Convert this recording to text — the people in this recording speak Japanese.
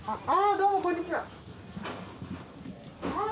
どうもこんにちはあぁ